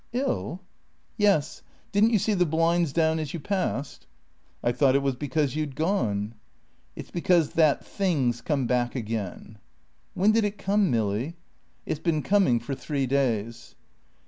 "Ill?" "Yes. Didn't you see the blinds down as you passed?" "I thought it was because you'd gone." "It's because that thing's come back again." "When did it come, Milly?" "It's been coming for three days."